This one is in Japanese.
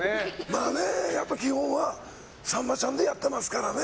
まあね、やっぱり基本はさんまちゃんでやってますからね。